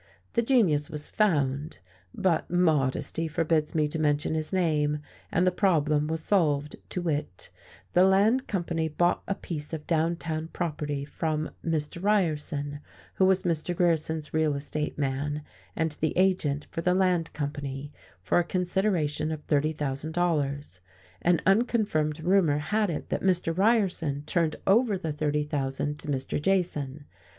The genius was found, but modesty forbids me to mention his name, and the problem was solved, to wit: the land company bought a piece of downtown property from Mr. Ryerson, who was Mr. Grierson's real estate man and the agent for the land company, for a consideration of thirty thousand dollars. An unconfirmed rumour had it that Mr. Ryerson turned over the thirty thousand to Mr. Jason.